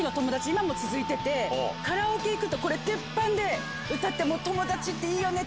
今も続いててカラオケ行くとこれ鉄板で友達っていいよね！